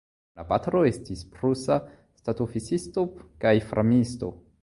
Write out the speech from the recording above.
La patro estis prusa ŝtatoficisto kaj farmisto.